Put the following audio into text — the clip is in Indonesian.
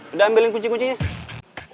udah ambilin kunci kuncinya